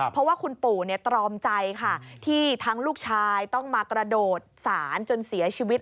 เพราะว่าคุณปู่ตรอมใจค่ะที่ทั้งลูกชายต้องมากระโดดศาลจนเสียชีวิต